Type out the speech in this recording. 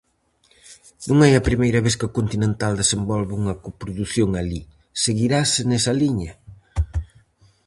Non é a primeira vez que Continental desenvolve unha coprodución alí., seguirase nesa liña?